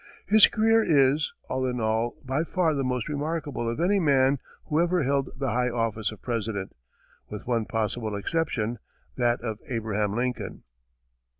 His career is, all in all, by far the most remarkable of any man who ever held the high office of President with one possible exception, that of Abraham Lincoln.